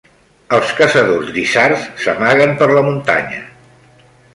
Els caçadors d'isards s'amaguen per la muntanya.